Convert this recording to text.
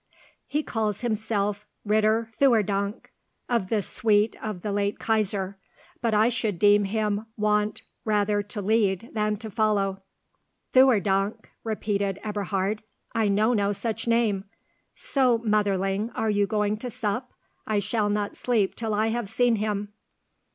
"He calls himself Ritter Theurdank, of the suite of the late Kaisar, but I should deem him wont rather to lead than to follow." "Theurdank," repeated Eberhard, "I know no such name! So, motherling, are you going to sup? I shall not sleep till I have seen him!"